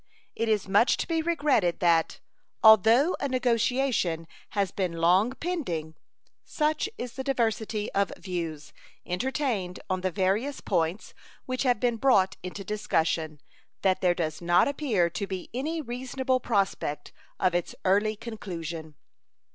It is much to be regretted that, although a negotiation has been long pending, such is the diversity of views entertained on the various points which have been brought into discussion that there does not appear to be any reasonable prospect of its early conclusion.